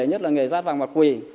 nhất là nghề rắt vàng và quỳ